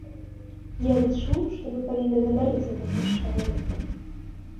Я лічу, што мы павінны ганарыцца такім чалавекам.